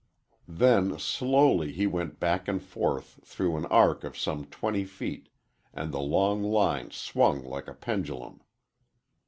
Then slowly he went back and forth through an arc of some twenty feet, and the long line swung like a pendulum.